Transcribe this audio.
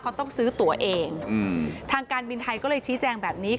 เขาต้องซื้อตัวเองอืมทางการบินไทยก็เลยชี้แจงแบบนี้